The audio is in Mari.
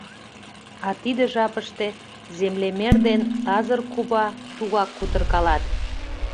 А тиде жапыште землемер ден Лазыр кува тугак кутыркалат.